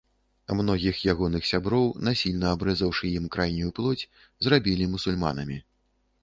Многіх ягоных сяброў, насільна абрэзаўшы ім крайнюю плоць, зрабілі мусульманамі.